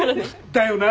だよな！